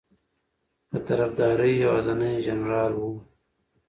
په طرفداری یوازینی جنرال ؤ